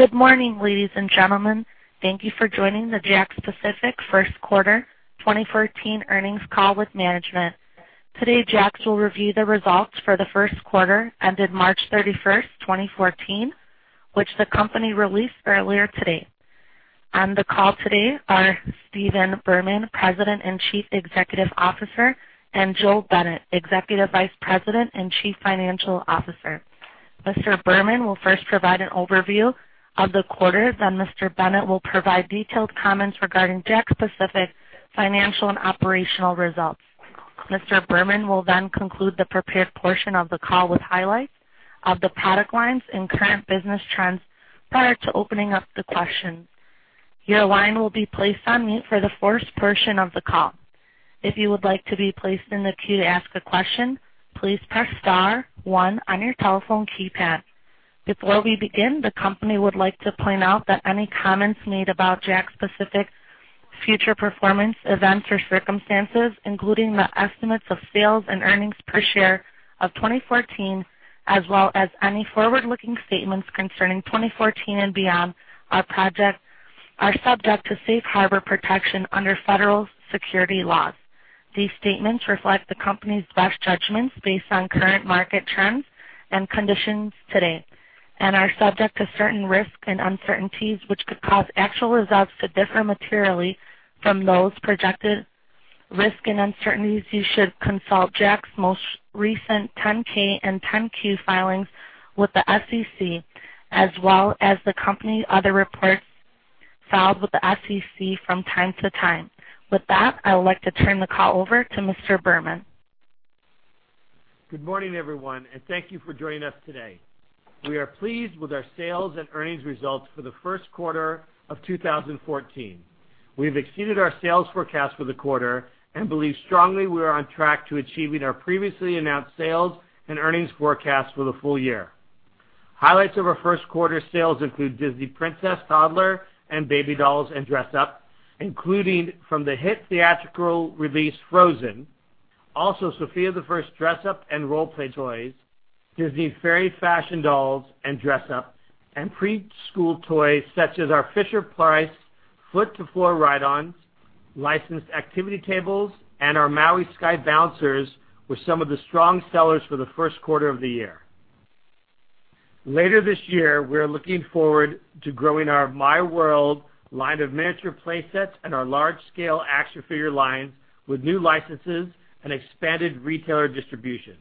Good morning, ladies and gentlemen. Thank you for joining the JAKKS Pacific first quarter 2014 earnings call with management. Today, JAKKS will review the results for the first quarter ended March 31st, 2014, which the company released earlier today. On the call today are Stephen Berman, President and Chief Executive Officer, and Joel Bennett, Executive Vice President and Chief Financial Officer. Mr. Berman will first provide an overview of the quarter. Mr. Bennett will provide detailed comments regarding JAKKS Pacific financial and operational results. Mr. Berman will then conclude the prepared portion of the call with highlights of the product lines and current business trends prior to opening up to questions. Your line will be placed on mute for the first portion of the call. If you would like to be placed in the queue to ask a question, please press star one on your telephone keypad. Before we begin, the company would like to point out that any comments made about JAKKS Pacific future performance, events, or circumstances, including the estimates of sales and earnings per share of 2014, as well as any forward-looking statements concerning 2014 and beyond, are subject to safe harbor protection under federal security laws. These statements reflect the company's best judgments based on current market trends and conditions today and are subject to certain risks and uncertainties, which could cause actual results to differ materially from those projected. Risk and uncertainties, you should consult JAKKS' most recent 10-K and 10-Q filings with the SEC, as well as the company other reports filed with the SEC from time to time. I would like to turn the call over to Mr. Berman. Good morning, everyone. Thank you for joining us today. We are pleased with our sales and earnings results for the first quarter of 2014. We've exceeded our sales forecast for the quarter and believe strongly we are on track to achieving our previously announced sales and earnings forecast for the full year. Highlights of our first quarter sales include Disney Princess toddler and baby dolls and dress up, including from the hit theatrical release, "Frozen." "Sofia the First" dress up and role play toys, Disney Fairies Fashion dolls and dress up, and preschool toys such as our Fisher-Price Foot to Floor Ride-ons, licensed activity tables, and our Maui Sky Bouncers were some of the strong sellers for the first quarter of the year. Later this year, we are looking forward to growing our miWorld line of miniature play sets and our large-scale action figure lines with new licenses and expanded retailer distribution.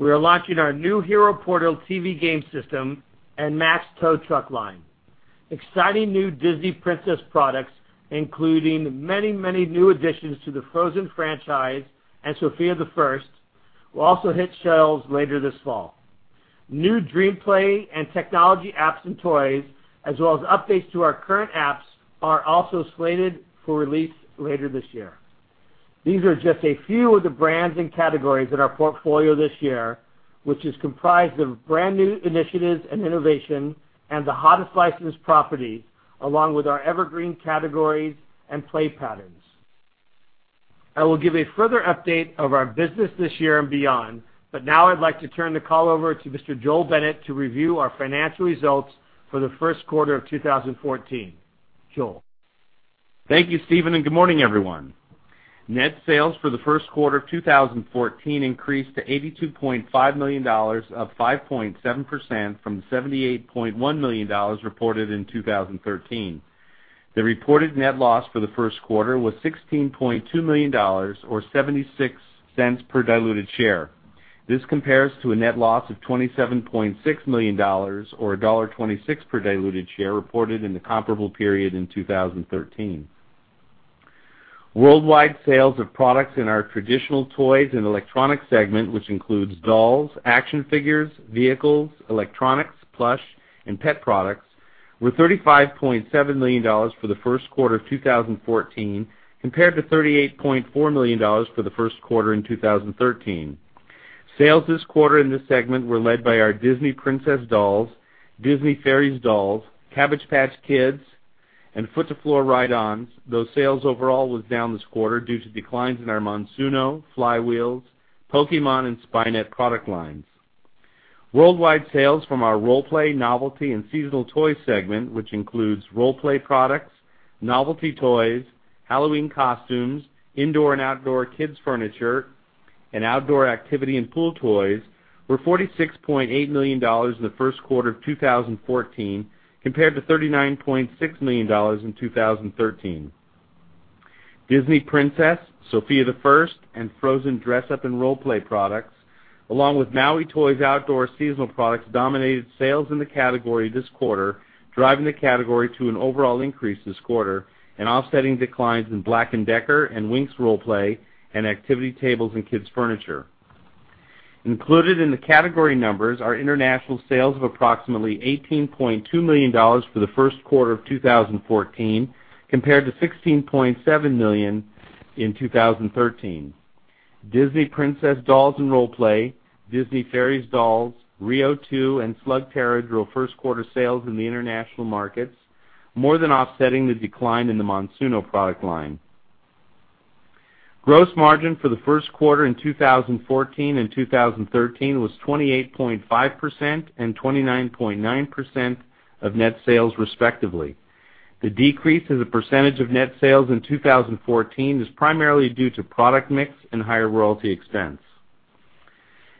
We are launching our new Hero Portal TV game system and Max Tow Truck line. Exciting new Disney Princess products, including many new additions to the "Frozen" franchise and "Sofia the First," will also hit shelves later this fall. New DreamPlay and technology apps and toys, as well as updates to our current apps, are also slated for release later this year. These are just a few of the brands and categories in our portfolio this year, which is comprised of brand-new initiatives and innovation and the hottest licensed properties, along with our evergreen categories and play patterns. I will give a further update of our business this year and beyond. Now I'd like to turn the call over to Mr. Joel Bennett to review our financial results for the first quarter of 2014. Joel. Thank you, Stephen. Good morning, everyone. Net sales for the first quarter of 2014 increased to $82.5 million, up 5.7% from $78.1 million reported in 2013. The reported net loss for the first quarter was $16.2 million, or $0.76 per diluted share. This compares to a net loss of $27.6 million, or $1.26 per diluted share, reported in the comparable period in 2013. Worldwide sales of products in our traditional toys and electronic segment, which includes dolls, action figures, vehicles, electronics, plush, and pet products, were $35.7 million for the first quarter of 2014, compared to $38.4 million for the first quarter in 2013. Sales this quarter in this segment were led by our Disney Princess dolls, Disney Fairies dolls, Cabbage Patch Kids, and Foot to Floor Ride-ons. Those sales overall was down this quarter due to declines in our Monsuno, Fly Wheels, Pokemon, and Spy Net product lines. Worldwide sales from our role play, novelty, and seasonal toy segment, which includes role play products, novelty toys, Halloween costumes, indoor and outdoor kids furniture, and outdoor activity and pool toys, were $46.8 million in the first quarter of 2014, compared to $39.6 million in 2013. Disney Princess, Sofia the First, and Frozen dress up and role play products, along with Maui Toys outdoor seasonal products dominated sales in the category this quarter, driving the category to an overall increase this quarter and offsetting declines in Black & Decker and Winx role play and activity tables and kids furniture. Included in the category numbers are international sales of approximately $18.2 million for the first quarter of 2014, compared to $16.7 million in 2013. Disney Princess dolls and role play, Disney Fairies dolls, Rio 2, and Slugterra drove first quarter sales in the international markets, more than offsetting the decline in the Monsuno product line. Gross margin for the first quarter in 2014 and 2013 was 28.5% and 29.9% of net sales respectively. The decrease as a percentage of net sales in 2014 is primarily due to product mix and higher royalty expense.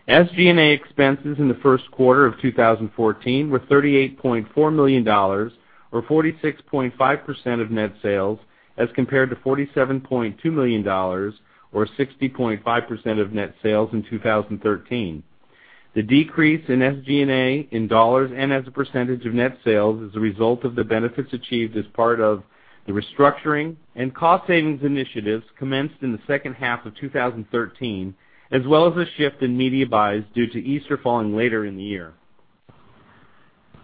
SG&A expenses in the first quarter of 2014 were $38.4 million, or 46.5% of net sales, as compared to $47.2 million, or 60.5% of net sales in 2013. The decrease in SG&A in dollars and as a percentage of net sales is a result of the benefits achieved as part of the restructuring and cost savings initiatives commenced in the second half of 2013, as well as a shift in media buys due to Easter falling later in the year.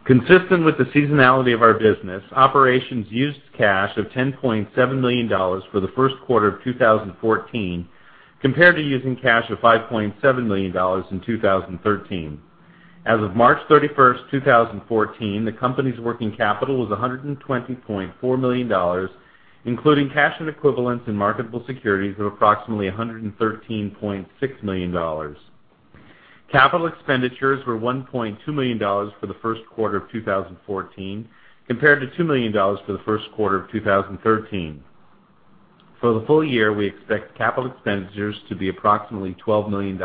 Consistent with the seasonality of our business, operations used cash of $10.7 million for the first quarter of 2014, compared to using cash of $5.7 million in 2013. As of March 31st, 2014, the company's working capital was $120.4 million, including cash and equivalents in marketable securities of approximately $113.6 million. Capital expenditures were $1.2 million for the first quarter of 2014, compared to $2 million for the first quarter of 2013. For the full year, we expect capital expenditures to be approximately $12 million.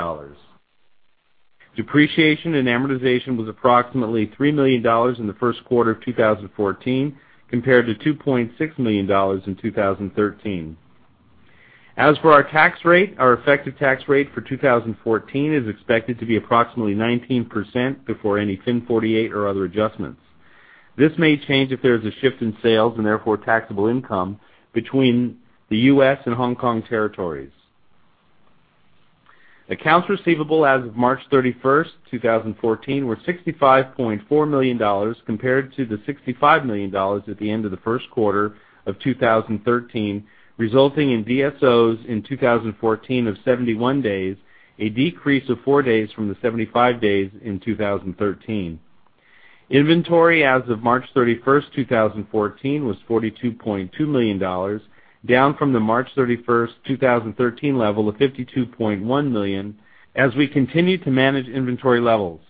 Depreciation and amortization was approximately $3 million in the first quarter of 2014, compared to $2.6 million in 2013. As for our tax rate, our effective tax rate for 2014 is expected to be approximately 19% before any FIN 48 or other adjustments. This may change if there is a shift in sales, and therefore taxable income, between the U.S. and Hong Kong territories. Accounts receivable as of March 31st, 2014, were $65.4 million compared to the $65 million at the end of the first quarter of 2013, resulting in DSOs in 2014 of 71 days, a decrease of 4 days from the 75 days in 2013. Inventory as of March 31st, 2014, was $42.2 million, down from the March 31st, 2013, level of $52.1 million, as we continue to manage inventory levels.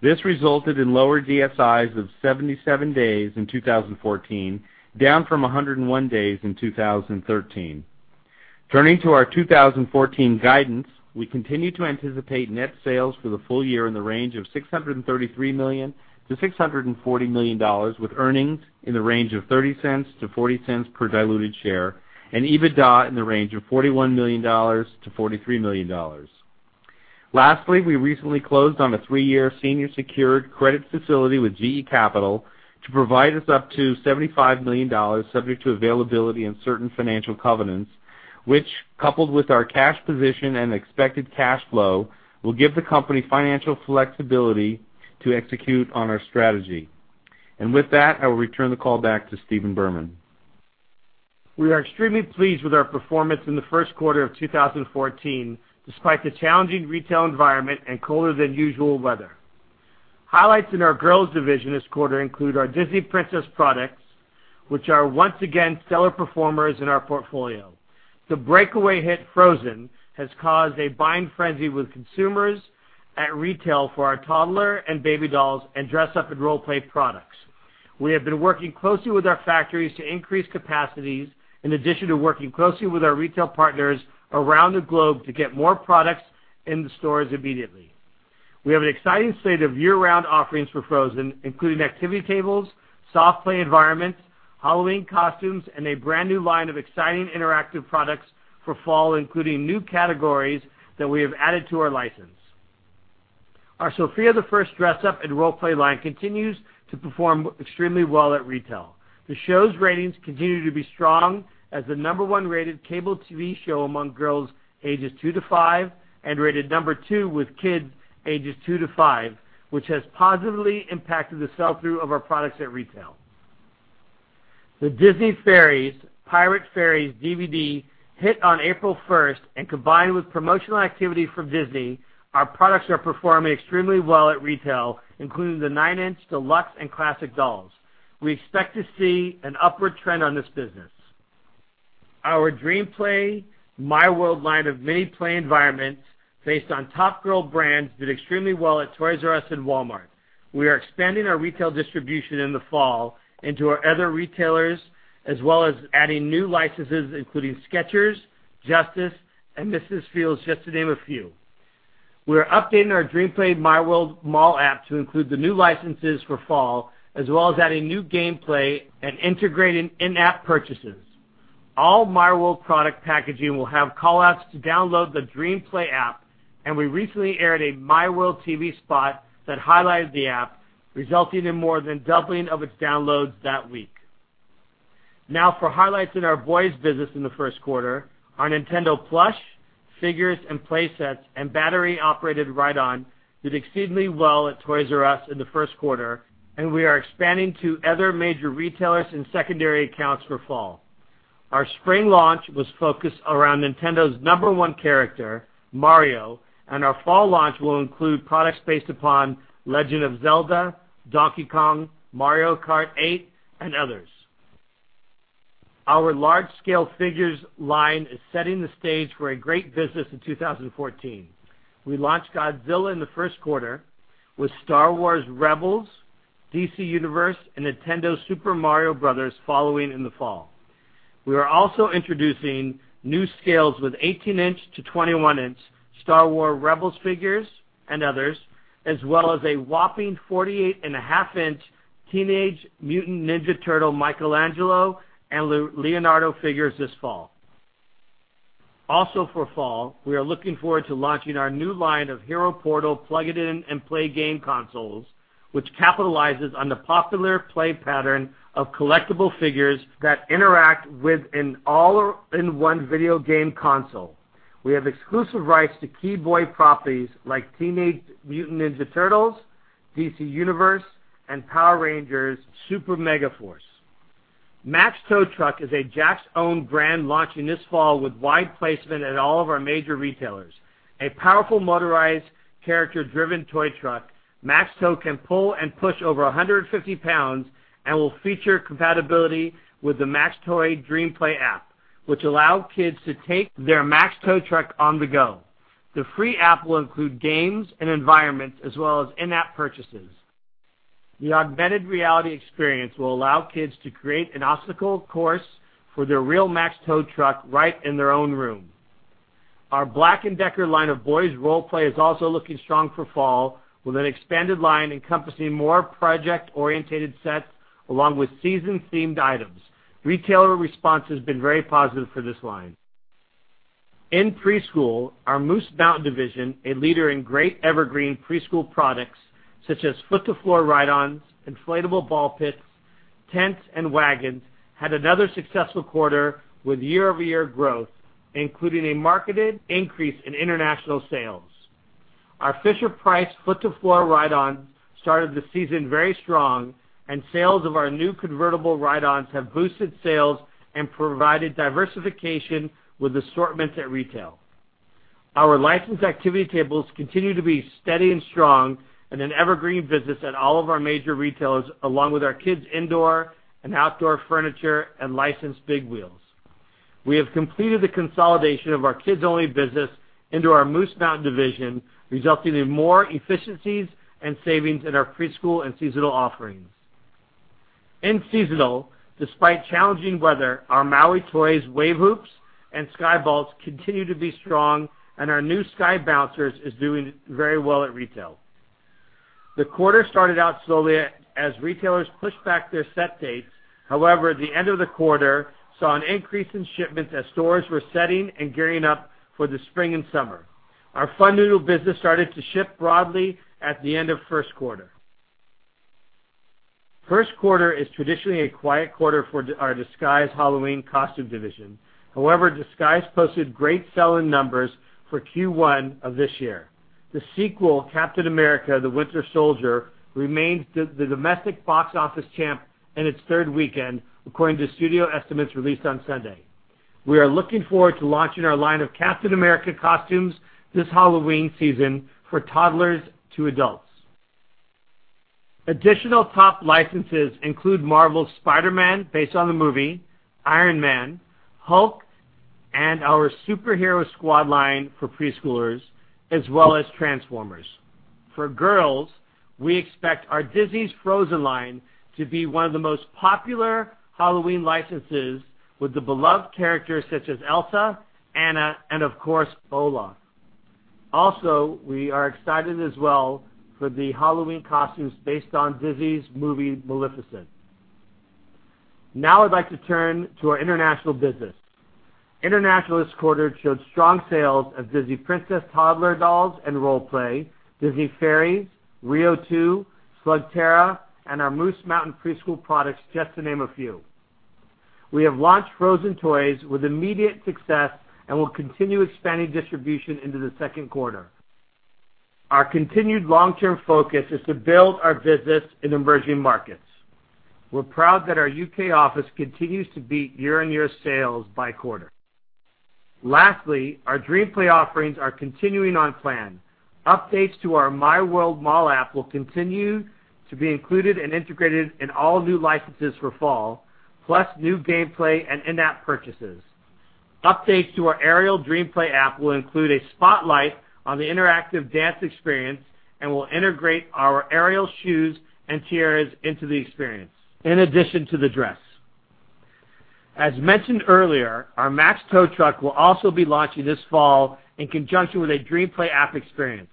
This resulted in lower DSIs of 77 days in 2014, down from 101 days in 2013. Turning to our 2014 guidance, we continue to anticipate net sales for the full year in the range of $633 million-$640 million, with earnings in the range of $0.30-$0.40 per diluted share, and EBITDA in the range of $41 million-$43 million. Lastly, we recently closed on a three-year senior secured credit facility with GE Capital to provide us up to $75 million subject to availability and certain financial covenants, which, coupled with our cash position and expected cash flow, will give the company financial flexibility to execute on our strategy. With that, I will return the call back to Stephen Berman. We are extremely pleased with our performance in the first quarter of 2014, despite the challenging retail environment and colder than usual weather. Highlights in our girls division this quarter include our Disney Princess products, which are once again stellar performers in our portfolio. The breakaway hit, "Frozen," has caused a buying frenzy with consumers at retail for our toddler and baby dolls and dress up and role play products. We have been working closely with our factories to increase capacities, in addition to working closely with our retail partners around the globe to get more products in the stores immediately. We have an exciting slate of year-round offerings for "Frozen," including activity tables, soft play environments, Halloween costumes, and a brand-new line of exciting interactive products for fall, including new categories that we have added to our license. Our Sofia the First dress up and role play line continues to perform extremely well at retail. The show's ratings continue to be strong as the number one rated cable TV show among girls ages two to five and rated number two with kids ages two to five, which has positively impacted the sell-through of our products at retail. The Disney Fairies, The Pirate Fairy DVD hit on April 1st, and combined with promotional activity from Disney, our products are performing extremely well at retail, including the nine-inch deluxe and classic dolls. We expect to see an upward trend on this business. Our DreamPlay miWorld line of mini play environments based on top girl brands did extremely well at Toys R Us and Walmart. We are expanding our retail distribution in the fall into our other retailers, as well as adding new licenses, including Skechers, Justice, and Mrs. Fields, just to name a few. We are updating our DreamPlay miWorld mall app to include the new licenses for fall, as well as adding new gameplay and integrating in-app purchases. All miWorld product packaging will have call-outs to download the DreamPlay app, and we recently aired a miWorld TV spot that highlighted the app, resulting in more than doubling of its downloads that week. Now for highlights in our boys business in the first quarter. Our Nintendo plush, figures, and play sets and battery-operated ride-on did exceedingly well at Toys R Us in the first quarter, and we are expanding to other major retailers and secondary accounts for fall. Our spring launch was focused around Nintendo's number one character, Mario, and our fall launch will include products based upon The Legend of Zelda, Donkey Kong, Mario Kart 8, and others. Our large-scale figures line is setting the stage for a great business in 2014. We launched Godzilla in the first quarter with Star Wars Rebels, DC Universe, and Nintendo Super Mario Bros. following in the fall. We are also introducing new scales with 18-inch to 21-inch Star Wars Rebels figures and others, as well as a whopping 48 and a half-inch Teenage Mutant Ninja Turtles Michelangelo and Leonardo figures this fall. Also for fall, we are looking forward to launching our new line of Hero Portal plug it in and play game consoles, which capitalizes on the popular play pattern of collectible figures that interact with an all-in-one video game console. We have exclusive rights to key boy properties like Teenage Mutant Ninja Turtles, DC Universe, and Power Rangers Super Megaforce. Max Tow Truck is a JAKKS' own brand launching this fall with wide placement at all of our major retailers. A powerful motorized character-driven toy truck, Max Tow can pull and push over 150 pounds and will feature compatibility with the Max Tow DreamPlay app, which allow kids to take their Max Tow truck on the go. The free app will include games and environments as well as in-app purchases. The augmented reality experience will allow kids to create an obstacle course for their real Max Tow truck right in their own room. Our Black & Decker line of boys role play is also looking strong for fall, with an expanded line encompassing more project-orientated sets along with season-themed items. Retailer response has been very positive for this line. In preschool, our Moose Mountain division, a leader in great evergreen preschool products such as Foot to Floor Ride-ons, inflatable ball pits, tents, and wagons, had another successful quarter with year-over-year growth, including a marked increase in international sales. Our Fisher-Price Foot to Floor Ride-on started the season very strong, and sales of our new convertible ride-ons have boosted sales and provided diversification with assortments at retail. Our licensed activity tables continue to be steady and strong and an evergreen business at all of our major retailers, along with our Kids Only indoor and outdoor furniture and licensed Big Wheels. We have completed the consolidation of our Kids Only business into our Moose Mountain division, resulting in more efficiencies and savings in our preschool and seasonal offerings. In seasonal, despite challenging weather, our Maui Toys Wave Hoops and Sky Balls continue to be strong, and our new Sky Bouncers is doing very well at retail. The quarter started out slowly as retailers pushed back their set dates. The end of the quarter saw an increase in shipments as stores were setting and gearing up for the spring and summer. Our Funnoodle business started to ship broadly at the end of first quarter. First quarter is traditionally a quiet quarter for our Disguise Halloween costume division. Disguise posted great sell-in numbers for Q1 of this year. The sequel, "Captain America: The Winter Soldier" remains the domestic box office champ in its third weekend, according to studio estimates released on Sunday. We are looking forward to launching our line of Captain America costumes this Halloween season for toddlers to adults. Additional top licenses include Marvel's Spider-Man, based on the movie, Iron Man, Hulk, and our Super Hero Squad line for preschoolers, as well as Transformers. For girls, we expect our Disney's Frozen line to be one of the most popular Halloween licenses with the beloved characters such as Elsa, Anna, and of course, Olaf. We are excited as well for the Halloween costumes based on Disney's movie, "Maleficent." I'd like to turn to our international business. International this quarter showed strong sales of Disney Princess toddler dolls and role play, Disney Fairies, Rio 2, Slugterra, and our Moose Mountain preschool products, just to name a few. We have launched Frozen toys with immediate success and will continue expanding distribution into the second quarter. Our continued long-term focus is to build our business in emerging markets. We're proud that our U.K. office continues to beat year-on-year sales by quarter. Our DreamPlay offerings are continuing on plan. Updates to our miWorld mall app will continue to be included and integrated in all new licenses for fall, plus new gameplay and in-app purchases. Updates to our Ariel DreamPlay app will include a spotlight on the interactive dance experience and will integrate our Ariel shoes and tiaras into the experience in addition to the dress. As mentioned earlier, our Max Tow Truck will also be launching this fall in conjunction with a DreamPlay app experience.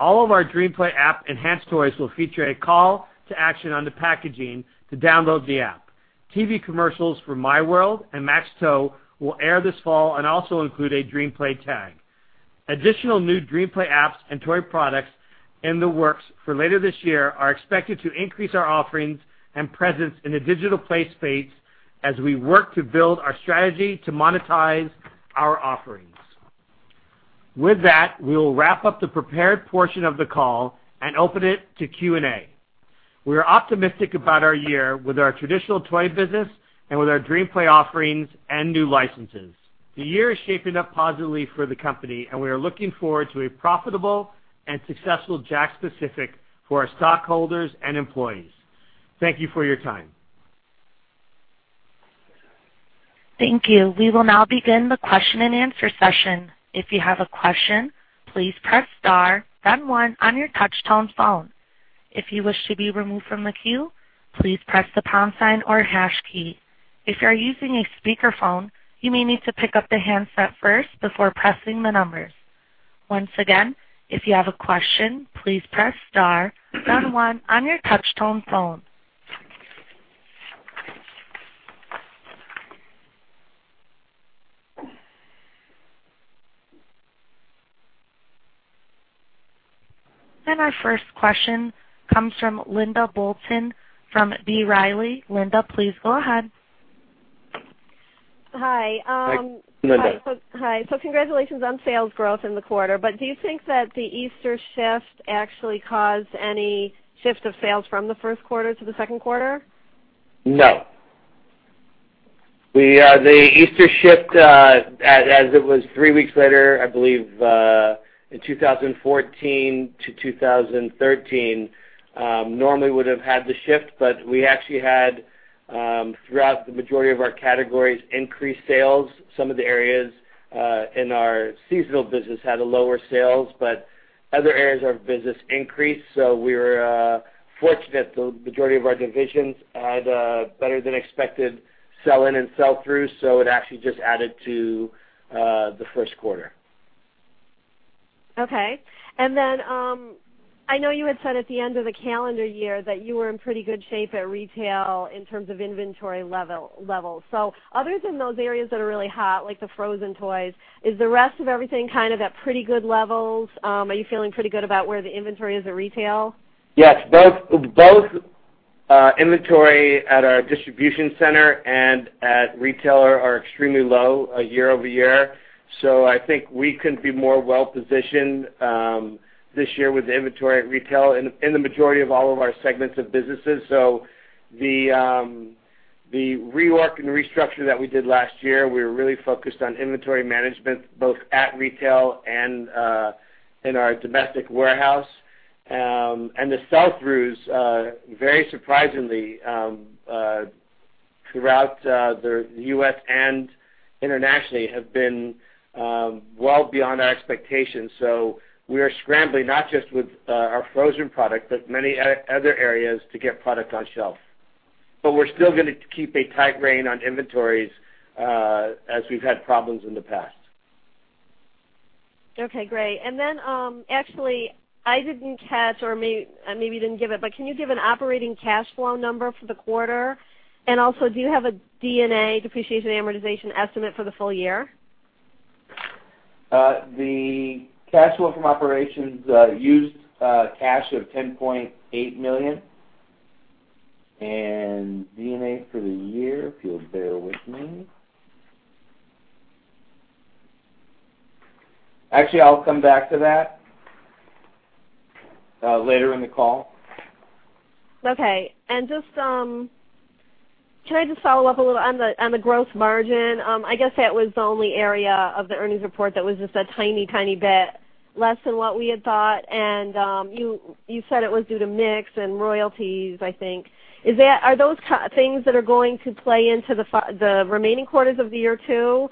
All of our DreamPlay app enhanced toys will feature a call to action on the packaging to download the app. TV commercials for miWorld and Max Tow will air this fall and also include a DreamPlay tag. Additional new DreamPlay apps and toy products in the works for later this year are expected to increase our offerings and presence in the digital play space as we work to build our strategy to monetize our offerings. With that, we will wrap up the prepared portion of the call and open it to Q&A. We are optimistic about our year with our traditional toy business and with our DreamPlay offerings and new licenses. The year is shaping up positively for the company, and we are looking forward to a profitable and successful JAKKS Pacific for our stockholders and employees. Thank you for your time. Thank you. We will now begin the question and answer session. If you have a question, please press star then one on your touchtone phone. If you wish to be removed from the queue, please press the pound sign or hash key. If you are using a speakerphone, you may need to pick up the handset first before pressing the numbers. Once again, if you have a question, please press star then one on your touchtone phone. Our first question comes from Linda Bolton from B. Riley. Linda, please go ahead. Hi. Hi, Linda. Hi. Congratulations on sales growth in the quarter. Do you think that the Easter shift actually caused any shift of sales from the first quarter to the second quarter? No. The Easter shift, as it was three weeks later, I believe, in 2014 to 2013, normally would have had the shift, but we actually had, throughout the majority of our categories, increased sales. Some of the areas in our seasonal business had a lower sales, but other areas of our business increased. We were fortunate the majority of our divisions had a better than expected sell-in and sell-through, so it actually just added to the first quarter. Okay. I know you had said at the end of the calendar year that you were in pretty good shape at retail in terms of inventory levels. Other than those areas that are really hot, like the Frozen toys, is the rest of everything kind of at pretty good levels? Are you feeling pretty good about where the inventory is at retail? Yes. Both inventory at our distribution center and at retailer are extremely low year-over-year. I think we couldn't be more well-positioned, this year with inventory at retail in the majority of all of our segments of businesses. The rework and restructure that we did last year, we were really focused on inventory management, both at retail and in our domestic warehouse. The sell-throughs, very surprisingly, throughout the U.S. and internationally, have been well beyond our expectations. We are scrambling, not just with our Frozen product, but many other areas to get product on shelf, but we're still going to keep a tight rein on inventories, as we've had problems in the past. Okay, great. Actually, I didn't catch, or maybe you didn't give it, but can you give an operating cash flow number for the quarter? Also, do you have a D&A, depreciation, amortization estimate for the full year? The cash flow from operations used cash of $10.8 million. D&A for the year, if you'll bear with me. Actually, I'll come back to that later in the call. Okay. Can I just follow up a little on the gross margin? I guess that was the only area of the earnings report that was just a tiny bit less than what we had thought. You said it was due to mix and royalties, I think. Are those things that are going to play into the remaining quarters of the year, too?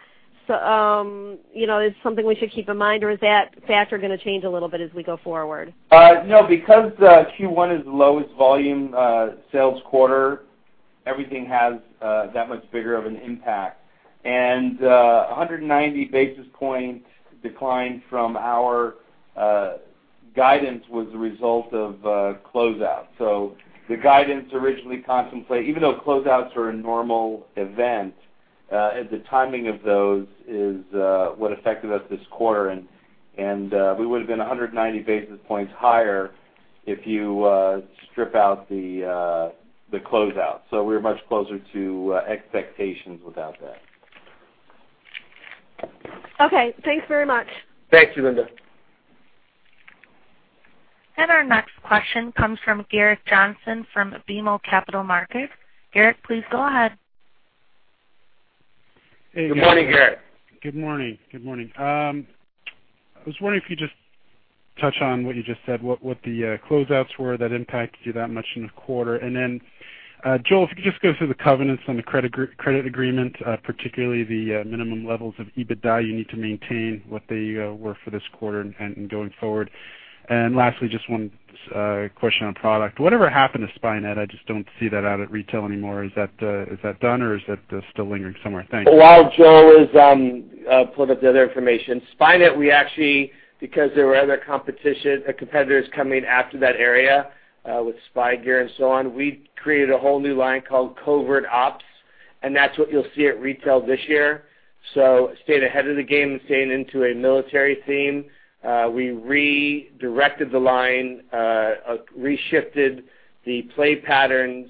Is it something we should keep in mind, or is that factor going to change a little bit as we go forward? Because Q1 is the lowest volume sales quarter, everything has that much bigger of an impact. 190 basis point decline from our guidance was a result of a closeout. The guidance originally contemplate, even though closeouts are a normal event, the timing of those is what affected us this quarter. We would have been 190 basis points higher if you strip out the closeout. We're much closer to expectations without that. Okay, thanks very much. Thank you, Linda. Our next question comes from Gerrick Johnson from BMO Capital Markets. Gerrick, please go ahead. Good morning, Gerrick. Good morning. I was wondering if you could just touch on what you just said, what the closeouts were that impacted you that much in the quarter. Joel, if you could just go through the covenants on the credit agreement, particularly the minimum levels of EBITDA you need to maintain, what they were for this quarter and going forward. Lastly, just one question on product. Whatever happened to Spy Net? I just don't see that out at retail anymore. Is that done, or is that still lingering somewhere? Thanks. While Joel is pulling up the other information, Spy Net, we actually, because there were other competitors coming after that area with spy gear and so on, we created a whole new line called Covert Ops, and that's what you'll see at retail this year. Staying ahead of the game and staying into a military theme, we redirected the line, reshifted the play patterns,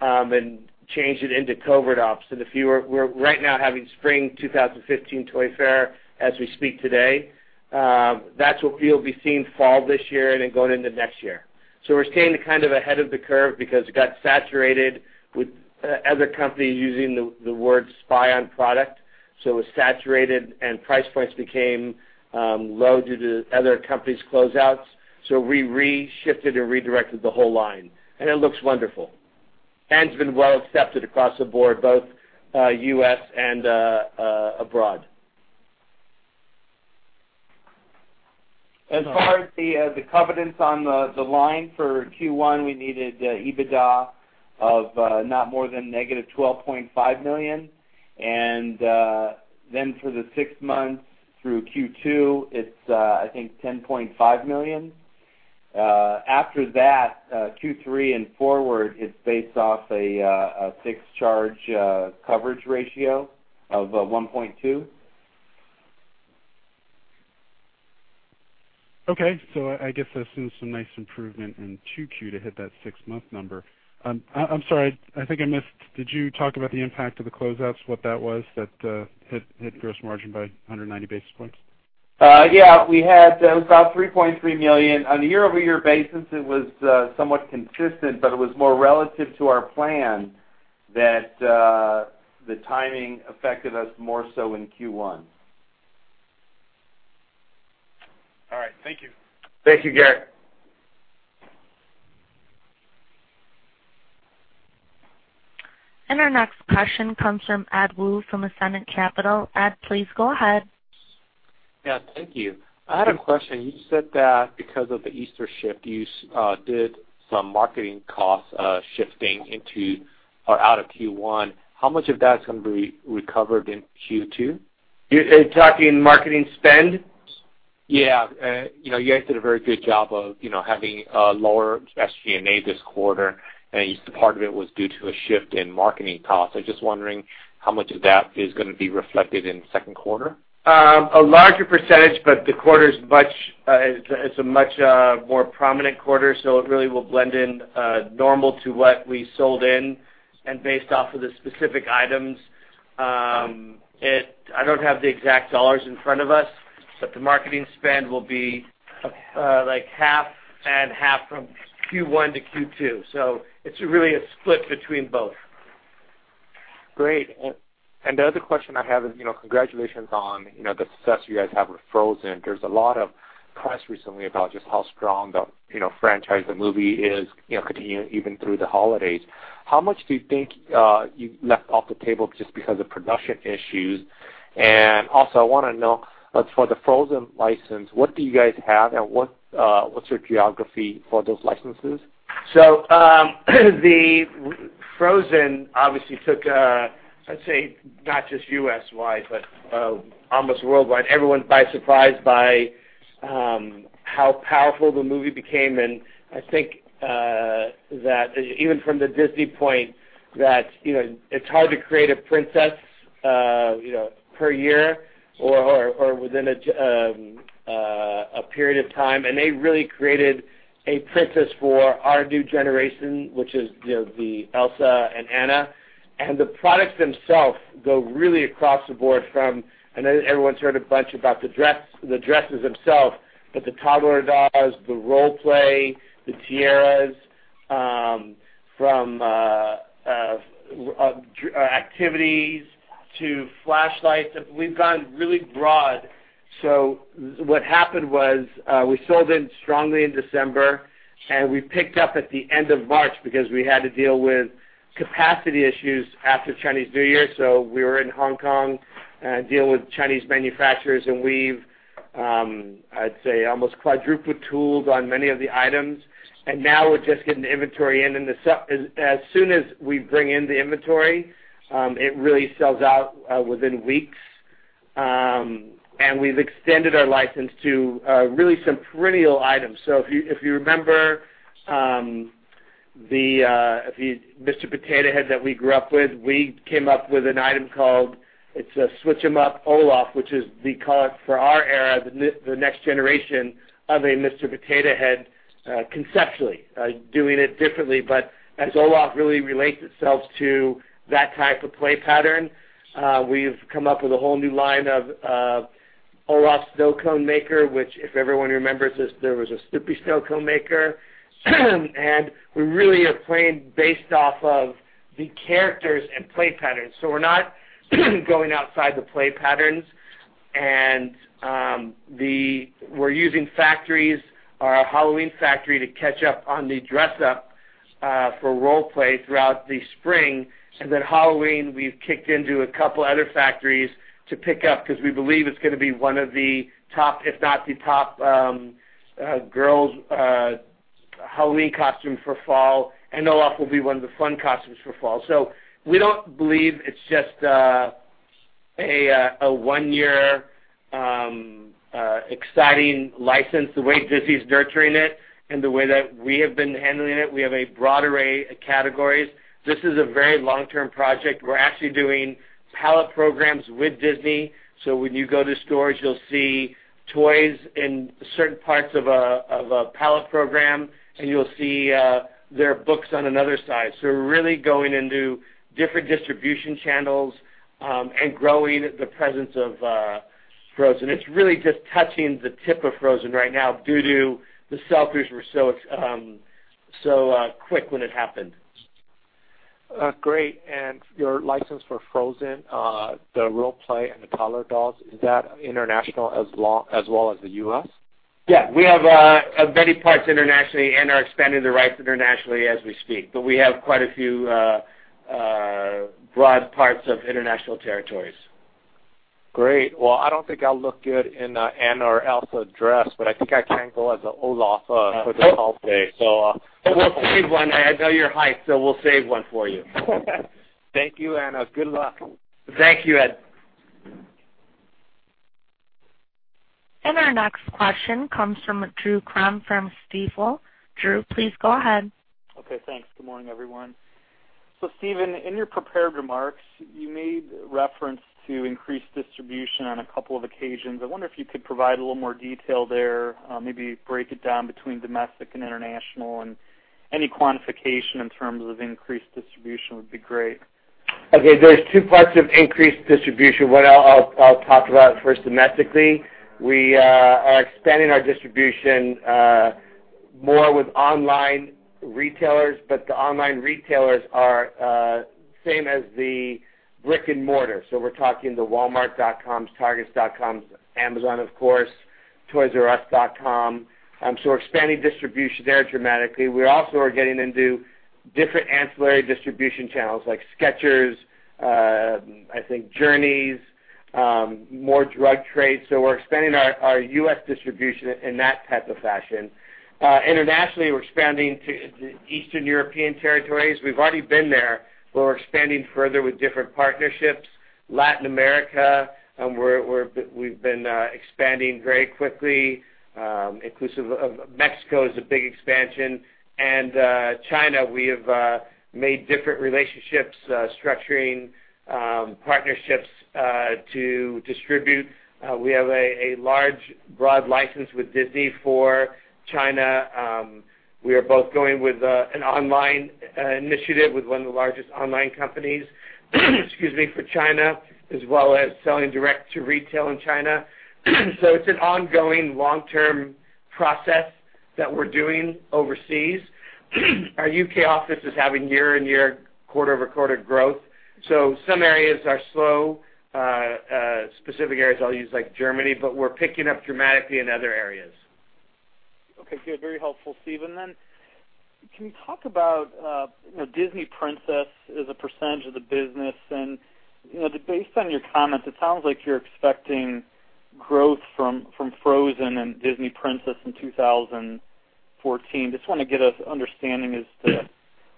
and changed it into Covert Ops. We're right now having Spring 2015 Toy Fair as we speak today. That's what you'll be seeing fall this year and then going into next year. We're staying kind of ahead of the curve because it got saturated with other companies using the word spy on product. It was saturated and price points became low due to other companies' closeouts. We reshifted and redirected the whole line, and it looks wonderful and has been well accepted across the board, both U.S. and abroad. As far as the covenants on the line for Q1, we needed EBITDA of not more than negative $12.5 million. For the six months through Q2, it's, I think, $10.5 million. After that, Q3 and forward, it's based off a fixed charge coverage ratio of 1.2. Okay. I guess that's seen some nice improvement in 2Q to hit that six-month number. I'm sorry. I think I missed, did you talk about the impact of the closeouts, what that was, that hit gross margin by 190 basis points? Yeah, we had about $3.3 million. On a year-over-year basis, it was somewhat consistent, but it was more relative to our plan that the timing affected us more so in Q1. All right. Thank you. Thank you, Gerrick. Our next question comes from Edward Woo from Ascendant Capital. Ed, please go ahead. Yeah, thank you. I had a question. You said that because of the Easter shift, you did some marketing cost shifting into or out of Q1. How much of that is going to be recovered in Q2? You're talking marketing spend? Yeah. You guys did a very good job of having a lower SG&A this quarter, and part of it was due to a shift in marketing costs. I'm just wondering how much of that is going to be reflected in the second quarter. A larger percentage, but the quarter is a much more prominent quarter, so it really will blend in normal to what we sold in and based off of the specific items. I don't have the exact dollars in front of us, but the marketing spend will be half and half from Q1 to Q2. It's really a split between both. Great. The other question I have is, congratulations on the success you guys have with Frozen. There's a lot of press recently about just how strong the franchise, the movie is continuing even through the holidays. How much do you think you left off the table just because of production issues? Also, I want to know for the Frozen license, what do you guys have and what's your geography for those licenses? The Frozen obviously took, let's say, not just U.S.-wide, but almost worldwide. Everyone was surprised by how powerful the movie became, and I think that even from the Disney point that it's hard to create a princess per year or within a period of time. They really created a princess for our new generation, which is the Elsa and Anna. The products themselves go really across the board from, I know everyone's heard a bunch about the dresses themselves, but the toddler dolls, the role play, the tiaras, from activities to flashlights. We've gone really broad. What happened was we sold in strongly in December, and we picked up at the end of March because we had to deal with capacity issues after Chinese New Year. We were in Hong Kong and deal with Chinese manufacturers, and we've, I'd say, almost quadrupled tools on many of the items. Now we're just getting the inventory in, and as soon as we bring in the inventory, it really sells out within weeks. We've extended our license to really some perennial items. If you remember the Mr. Potato Head that we grew up with, we came up with an item called, it's a Switch 'n Up Olaf, which is the callout for our era, the next generation of a Mr. Potato Head, conceptually. Doing it differently, but as Olaf really relates itself to that type of play pattern, we've come up with a whole new line of Olaf snow cone maker, which if everyone remembers this, there was a Snoopy snow cone maker. We really are playing based off of the characters and play patterns. We're not going outside the play patterns. We're using factories, our Halloween factory to catch up on the dress up for role play throughout the spring. Then Halloween, we've kicked into a couple other factories to pick up because we believe it's going to be one of the top, if not the top, girls' Halloween costume for fall, and Olaf will be one of the fun costumes for fall. We don't believe it's just a one-year exciting license, the way Disney's nurturing it and the way that we have been handling it. We have a broad array of categories. This is a very long-term project. We're actually doing pallet programs with Disney. When you go to stores, you'll see toys in certain parts of a pallet program, and you'll see their books on another side. We're really going into different distribution channels, and growing the presence of Frozen. It's really just touching the tip of Frozen right now due to the sell-throughs were so quick when it happened. Great. Your license for Frozen, the role play and the toddler dolls, is that international as well as the U.S.? Yeah. We have many parts internationally and are expanding the rights internationally as we speak. We have quite a few broad parts of international territories. Great. Well, I don't think I'll look good in a Anna or Elsa dress, but I think I can go as Olaf for the call today. We'll save one. I know your height, so we'll save one for you. Thank you, and good luck. Thank you, Ed. Our next question comes from Drew Crum from Stifel. Drew, please go ahead. Okay, thanks. Good morning, everyone. Stephen, in your prepared remarks, you made reference to increased distribution on a couple of occasions. I wonder if you could provide a little more detail there, maybe break it down between domestic and international, and any quantification in terms of increased distribution would be great. There's two parts of increased distribution. One, I'll talk about first domestically. We are expanding our distribution more with online retailers, but the online retailers are same as the brick and mortar. We're talking the walmart.com, target.com, Amazon, of course, toysrus.com. We're expanding distribution there dramatically. We also are getting into different ancillary distribution channels like Skechers, I think Journeys, more drug trades. We're expanding our U.S. distribution in that type of fashion. Internationally, we're expanding to Eastern European territories. We've already been there, but we're expanding further with different partnerships. Latin America, we've been expanding very quickly, inclusive of Mexico is a big expansion. China, we have made different relationships, structuring partnerships to distribute. We have a large, broad license with Disney for China. We are both going with an online initiative with one of the largest online companies for China, as well as selling direct to retail in China. It's an ongoing long-term process that we're doing overseas. Our U.K. office is having year-on-year, quarter-over-quarter growth. Some areas are slow, specific areas I'll use like Germany, but we're picking up dramatically in other areas. Okay, good. Very helpful, Stephen. Can you talk about Disney Princess as a percentage of the business? Based on your comments, it sounds like you're expecting growth from Frozen and Disney Princess in 2014. Just want to get an understanding as to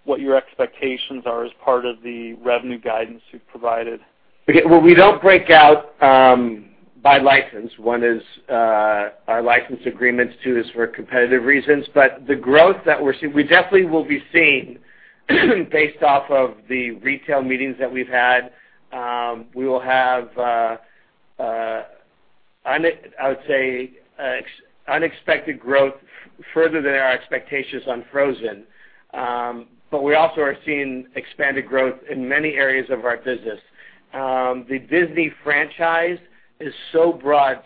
what your expectations are as part of the revenue guidance you've provided. Okay. Well, we don't break out by license. One is our license agreements, two is for competitive reasons. The growth that we're seeing, we definitely will be seeing based off of the retail meetings that we've had. We will have, I would say, unexpected growth further than our expectations on Frozen. We also are seeing expanded growth in many areas of our business. The Disney franchise is so broad.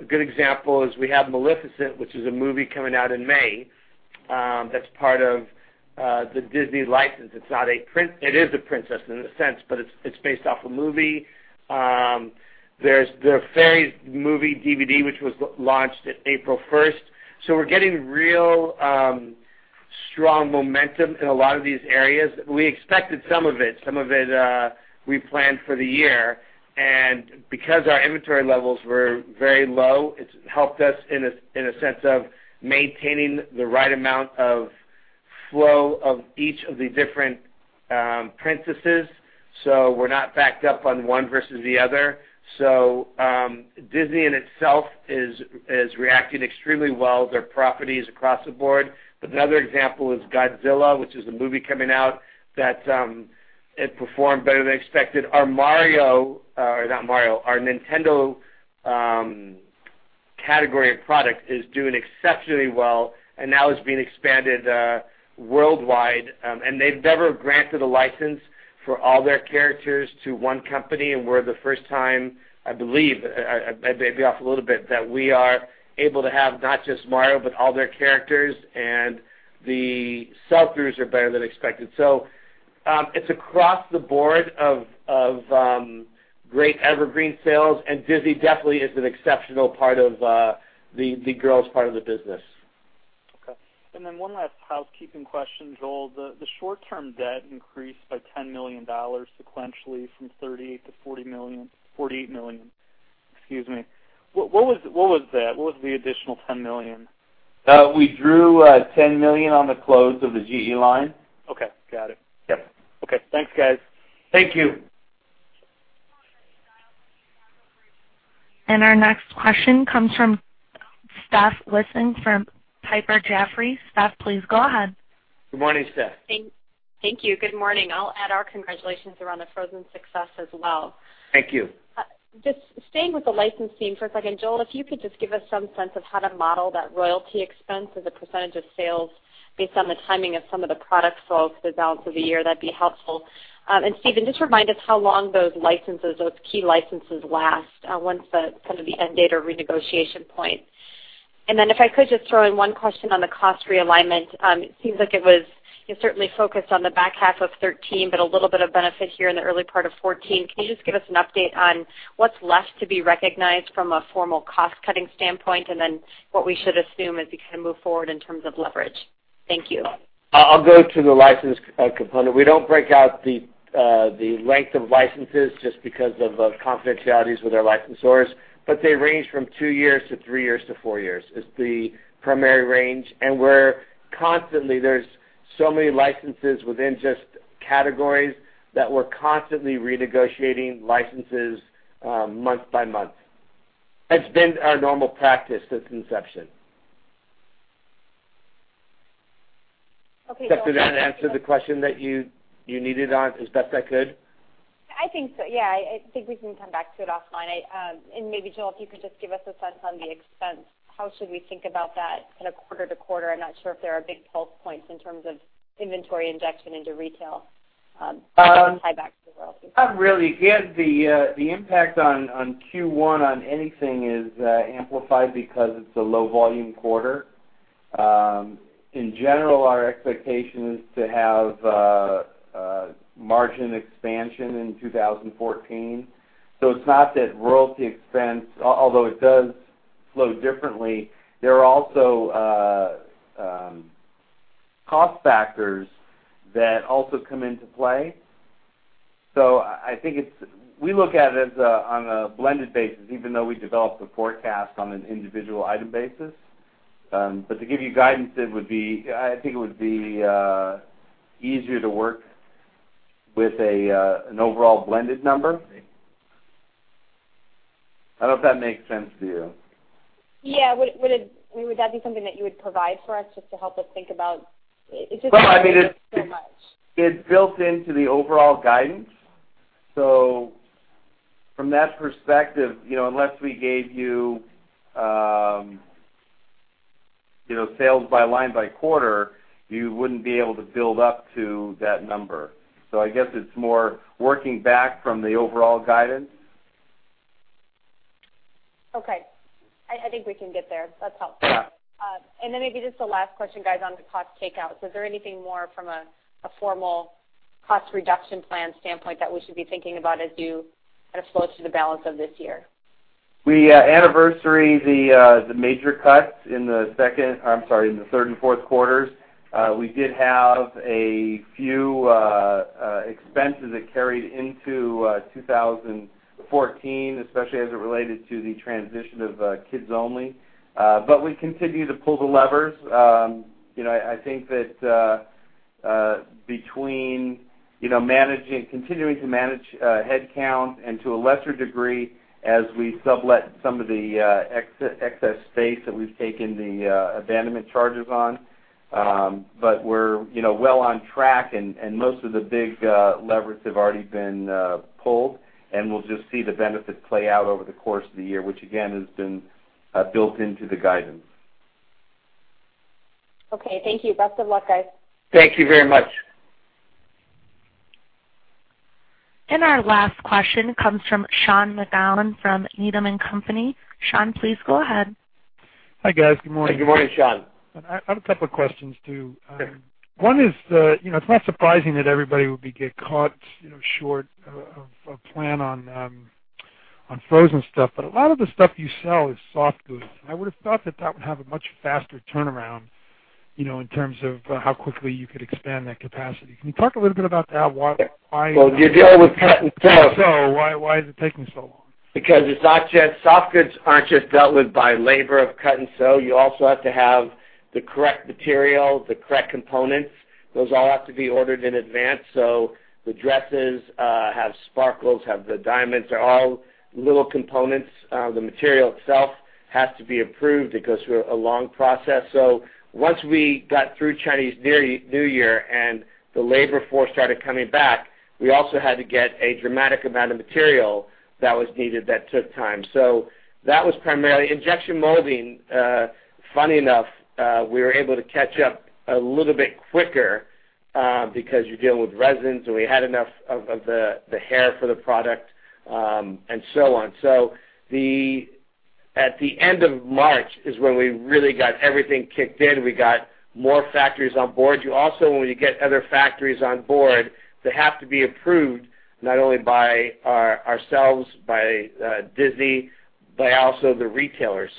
A good example is we have Maleficent, which is a movie coming out in May, that's part of the Disney license. It is a princess in a sense, but it's based off a movie. There's the Fairies movie DVD, which was launched April 1st. We're getting real strong momentum in a lot of these areas. We expected some of it. Some of it we planned for the year. Because our inventory levels were very low, it's helped us in a sense of maintaining the right amount of flow of each of the different princesses. We're not backed up on one versus the other. Disney in itself is reacting extremely well to their properties across the board. Another example is Godzilla, which is a movie coming out that performed better than expected. Our Mario, or not Mario, our Nintendo category of product is doing exceptionally well and now is being expanded worldwide. They've never granted a license for all their characters to one company, and we're the first time, I believe, I may be off a little bit, that we are able to have not just Mario, but all their characters, and the sell-throughs are better than expected. It's across the board of great evergreen sales, and Disney definitely is an exceptional part of the girls part of the business. Okay. Then one last housekeeping question, Joel. The short-term debt increased by $10 million sequentially from $30 million to $48 million. What was that? What was the additional $10 million? We drew $10 million on the close of the GE line. Okay, got it. Yep. Okay. Thanks, guys. Thank you. Our next question comes from Steph Wissink from Piper Jaffray. Steph, please go ahead. Good morning, Steph. Thank you. Good morning. I'll add our congratulations around the Frozen success as well. Thank you. Just staying with the licensing for a second, Joel, if you could just give us some sense of how to model that royalty expense as a % of sales based on the timing of some of the product flow for the balance of the year, that'd be helpful. Steven, just remind us how long those key licenses last, when's the end date or renegotiation point? If I could just throw in one question on the cost realignment. It seems like it was certainly focused on the back half of 2013, but a little bit of benefit here in the early part of 2014. Can you just give us an update on what's left to be recognized from a formal cost-cutting standpoint, and then what we should assume as we kind of move forward in terms of leverage? Thank you. I'll go to the license component. We don't break out the length of licenses just because of confidentialities with our licensors. They range from two years to three years to four years, is the primary range, and there are so many licenses within just categories that we're constantly renegotiating licenses month by month. That's been our normal practice since inception. Okay. Does that answer the question that you needed on as best I could? I think so, yeah. I think we can come back to it offline. Maybe, Joel, if you could just give us a sense on the expense. How should we think about that kind of quarter-to-quarter? I'm not sure if there are big pulse points in terms of inventory injection into retail- Uh- -or tiebacks to royalty. Not really. The impact on Q1 on anything is amplified because it's a low volume quarter. In general, our expectation is to have margin expansion in 2014. It's not that royalty expense, although it does flow differently, there are also cost factors that also come into play. I think we look at it as a, on a blended basis, even though we developed a forecast on an individual item basis. To give you guidance, I think it would be easier to work with an overall blended number. I don't know if that makes sense to you. Yeah. Would that be something that you would provide for us just to help us think about? Well, I mean. -so much. It's built into the overall guidance. From that perspective, unless we gave you sales by line by quarter, you wouldn't be able to build up to that number. I guess it's more working back from the overall guidance. Okay. I think we can get there. That's helpful. Yeah. Then maybe just the last question, guys, on the cost take out. Is there anything more from a formal cost reduction plan standpoint that we should be thinking about as you kind of flow to the balance of this year? We anniversary the major cuts in the second, I'm sorry, in the third and fourth quarters. We did have a few expenses that carried into 2014, especially as it related to the transition of Kids Only. We continue to pull the levers. I think that between continuing to manage headcount and to a lesser degree as we sublet some of the excess space that we've taken the abandonment charges on. We're well on track, and most of the big levers have already been pulled, and we'll just see the benefits play out over the course of the year, which again has been built into the guidance. Okay. Thank you. Best of luck, guys. Thank you very much. Our last question comes from Sean McGowan from Needham & Company. Sean, please go ahead. Hi, guys. Good morning. Good morning, Sean. I have a couple of questions, too. Sure. One is, it's not surprising that everybody would be get caught short of plan on Frozen stuff. A lot of the stuff you sell is soft goods, and I would've thought that that would have a much faster turnaround, in terms of how quickly you could expand that capacity. Can you talk a little bit about that? Well, you're dealing with cut and sew If so, why is it taking so long? Soft goods aren't just dealt with by labor of cut and sew, you also have to have the correct material, the correct components. Those all have to be ordered in advance. The dresses have sparkles, have the diamonds. They're all little components. The material itself has to be approved. It goes through a long process. Once we got through Chinese New Year and the labor force started coming back, we also had to get a dramatic amount of material that was needed, that took time. That was primarily. Injection molding, funny enough, we were able to catch up a little bit quicker, because you deal with resins, and we had enough of the hair for the product, and so on. At the end of March is when we really got everything kicked in. We got more factories on board. You also, when you get other factories on board, they have to be approved not only by ourselves, by Disney, by also the retailers.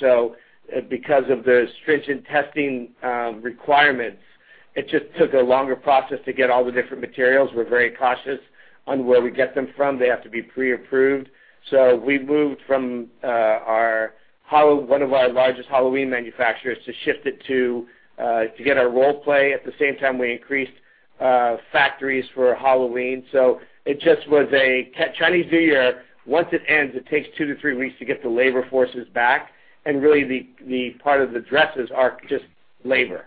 Because of the stringent testing requirements, it just took a longer process to get all the different materials. We're very cautious on where we get them from. They have to be pre-approved. We moved from one of our largest Halloween manufacturers to shift it to get our role play. At the same time, we increased factories for Halloween. It just was a Chinese New Year, once it ends, it takes two to three weeks to get the labor forces back. Really, the part of the dresses are just labor.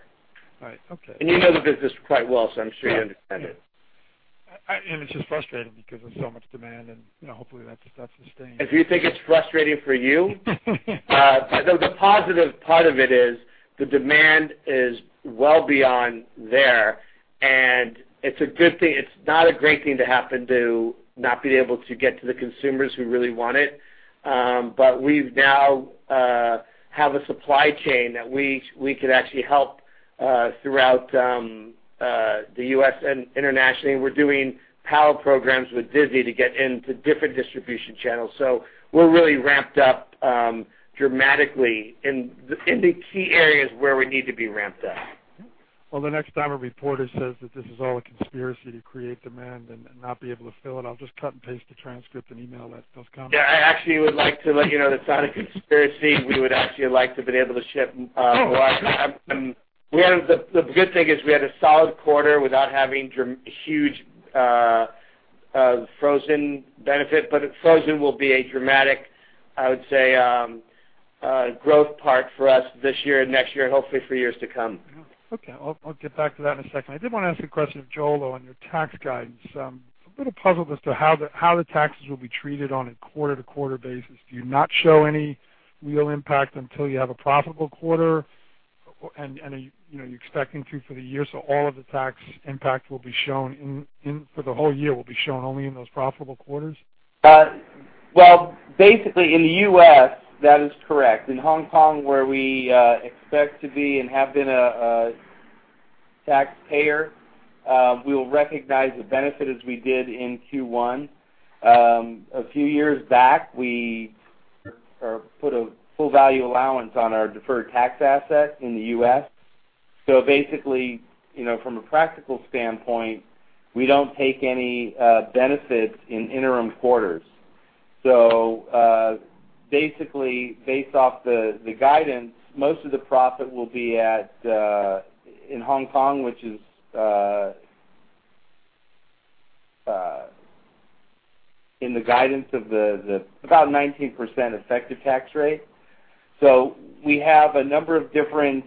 Right. Okay. You know the business quite well, I'm sure you understand it. Yeah. It's just frustrating because there's so much demand and hopefully that sustains. If you think it's frustrating for you. The positive part of it is the demand is well beyond there, and it's a good thing. It's not a great thing to happen to not being able to get to the consumers who really want it. We've now have a supply chain that we could actually help throughout the U.S. and internationally. We're doing power programs with Disney to get into different distribution channels. We're really ramped up dramatically in the key areas where we need to be ramped up. Okay. Well, the next time a reporter says that this is all a conspiracy to create demand and not be able to fill it, I'll just cut and paste the transcript and email that to those comments. I actually would like to let you know that it's not a conspiracy. We would actually like to have been able to ship a lot. The good thing is we had a solid quarter without having huge Frozen benefit. Frozen will be a dramatic, I would say, growth part for us this year and next year, and hopefully for years to come. Yeah. Okay. I'll get back to that in a second. I did want to ask a question of Joel, though, on your tax guidance. I'm a bit puzzled as to how the taxes will be treated on a quarter-to-quarter basis. Do you not show any real impact until you have a profitable quarter? You're expecting to for the year, so all of the tax impact will be shown for the whole year, will be shown only in those profitable quarters? Well, basically, in the U.S., that is correct. In Hong Kong, where we expect to be and have been a taxpayer, we'll recognize the benefit as we did in Q1. A few years back, we put a full value allowance on our deferred tax asset in the U.S. Basically, from a practical standpoint, we don't take any benefits in interim quarters. Basically, based off the guidance, most of the profit will be in Hong Kong, which is in the guidance of about 19% effective tax rate. We have a number of different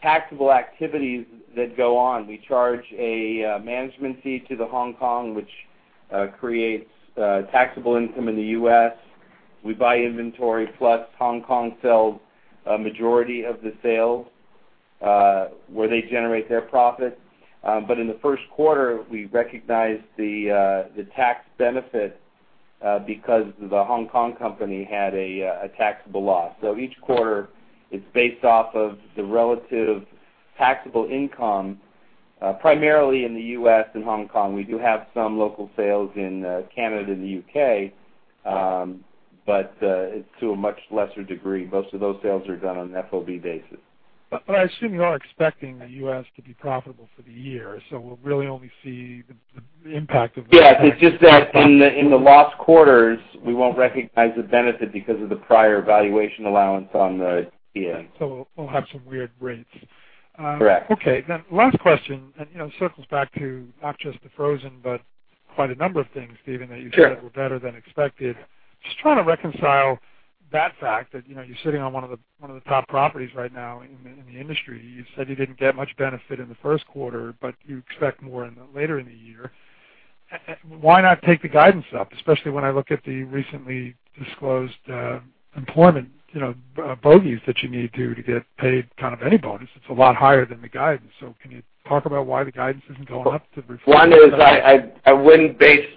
taxable activities that go on. We charge a management fee to the Hong Kong, which creates taxable income in the U.S. We buy inventory, plus Hong Kong sells a majority of the sales, where they generate their profit. In the first quarter, we recognized the tax benefit because the Hong Kong company had a taxable loss. Each quarter is based off of the relative taxable income, primarily in the U.S. and Hong Kong. We do have some local sales in Canada and the U.K., but to a much lesser degree. Most of those sales are done on an FOB basis. I assume you are expecting the U.S. to be profitable for the year, so we'll really only see the. Yeah, it's just that in the loss quarters, we won't recognize the benefit because of the prior valuation allowance on the TA. We'll have some weird rates. Correct. Okay. Last question, and it circles back to not just the Frozen, but quite a number of things, Stephen, that you said. Sure were better than expected. Trying to reconcile that fact that you're sitting on one of the top properties right now in the industry. You said you didn't get much benefit in the first quarter, you expect more in the later in the year. Why not take the guidance up? Especially when I look at the recently disclosed employment, bonuses that you need to do to get paid any bonus. It's a lot higher than the guidance. Can you talk about why the guidance isn't going up to reflect that? One is I wouldn't base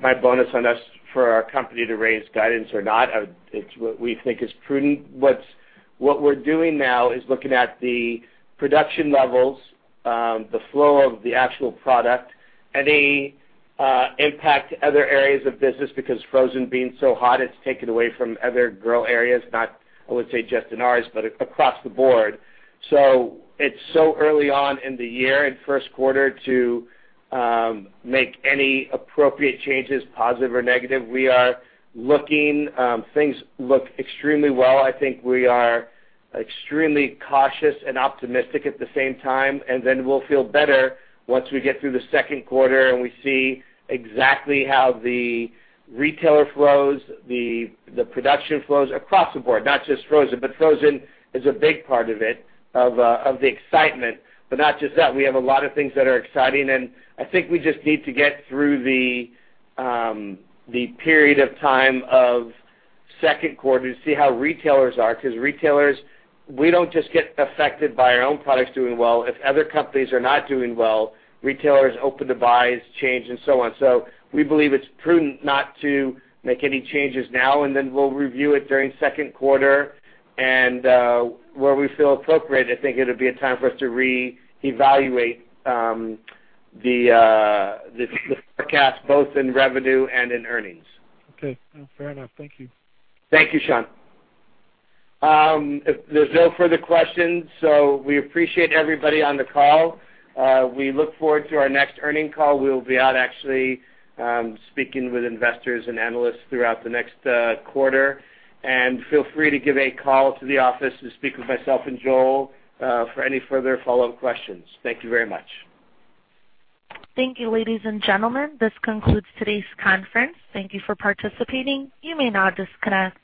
my bonus on us for our company to raise guidance or not. It's what we think is prudent. What we're doing now is looking at the production levels, the flow of the actual product, any impact to other areas of business, Frozen being so hot, it's taken away from other growth areas, not, I would say, just in ours, but across the board. It's so early on in the year, in the first quarter, to make any appropriate changes, positive or negative. We are looking. Things look extremely well. I think we are extremely cautious and optimistic at the same time, we'll feel better once we get through the second quarter, we see exactly how the retailer flows, the production flows across the board, not just Frozen, but Frozen is a big part of it, of the excitement. Not just that. We have a lot of things that are exciting, I think we just need to get through the period of time of the second quarter to see how retailers are, retailers, we don't just get affected by our own products doing well. If other companies are not doing well, retailers open to buys change and so on. We believe it's prudent not to make any changes now, we'll review it during the second quarter. Where we feel appropriate, I think it'll be a time for us to reevaluate the forecast both in revenue and in earnings. Fair enough. Thank you. Thank you, Sean. If there's no further questions, we appreciate everybody on the call. We look forward to our next earnings call. We'll be out actually speaking with investors and analysts throughout the next quarter. Feel free to give a call to the office to speak with myself and Joel, for any further follow-up questions. Thank you very much. Thank you, ladies and gentlemen. This concludes today's conference. Thank you for participating. You may now disconnect.